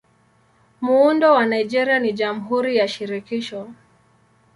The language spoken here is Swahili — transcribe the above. Muundo wa Nigeria ni Jamhuri ya Shirikisho.